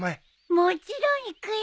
もちろん行くよ！